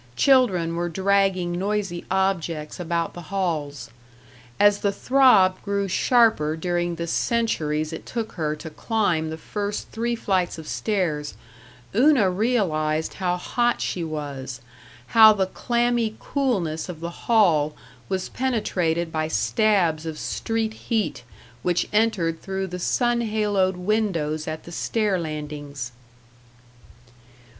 Children were dragging noisy objects about the halls. As the throb grew sharper during the centuries it took her to climb the first three flights of stairs, Una realized how hot she was, how the clammy coolness of the hall was penetrated by stabs of street heat which entered through the sun haloed windows at the stair landings.